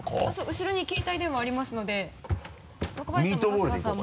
後ろに携帯電話ありますので若林さんも春日さんも。